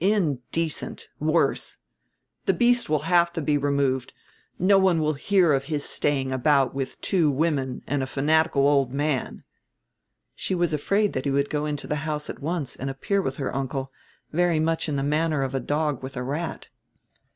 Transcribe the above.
Indecent, worse. The beast will have to be removed. No one will hear of his staying about with two women and a fanatical old man." She was afraid that he would go into the house at once and appear with her uncle, very much in the manner of a dog with a rat.